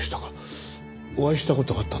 お会いした事があったんですね。